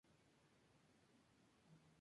Se encuentra a la orilla de la ensenada de Cook.